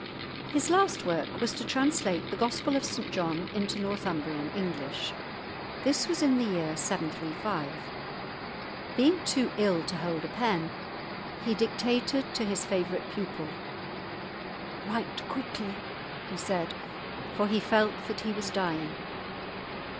His last work was to translate the Gospel of St John into Northumbrian English. This was in the year 735. Being too ill to hold a pen, he dictated to his favourite pupil. "Write quickly," he said, for he felt that he was dying.